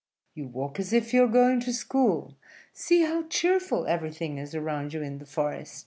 You walk as if you were going to school; see how cheerful everything is around you in the forest."